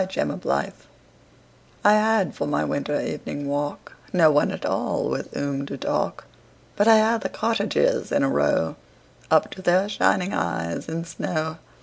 Good Hours I HAD for my winter evening walk No one at all with whom to talk, But I had the cottages in a row Up to their shining eyes in snow.